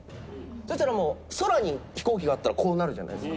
そしたら空に飛行機があったらこうなるじゃないですか。